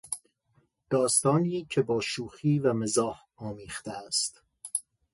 داستانی که با شوخی و مزاح آمیخته است